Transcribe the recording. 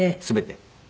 全て。